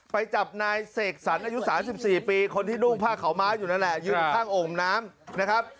ไปจับนายเสกสรรอายุ๓๔ปีคนที่นุ่งผ้าขาวม้าอยู่นั่นแหละยืนข้างโอ่งน้ำนะครับ